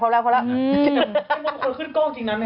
มันไม่มีคนขึ้นกล้องจริงนั่นไหม